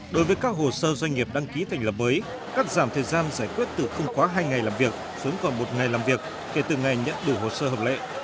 đối với các hồ sơ doanh nghiệp đăng ký thành lập mới cắt giảm thời gian giải quyết từ không quá hai ngày làm việc xuống còn một ngày làm việc kể từ ngày nhận đủ hồ sơ hợp lệ